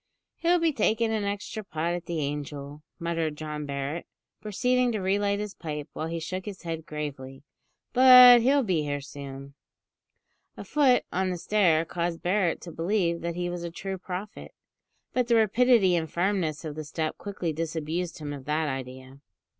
"He'll be taking an extra pot at the `Angel,'" muttered John Barret, proceeding to re light his pipe, while he shook his head gravely; "but he'll be here soon." A foot on the stair caused Barret to believe that he was a true prophet; but the rapidity and firmness of the step quickly disabused him of that idea.